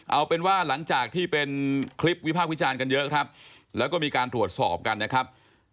เอาเป็นว่าหลังจากที่เป็นคลิปวิพากษ์วิจารณ์กันเยอะครับแล้วก็มีการตรวจสอบกันนะครับ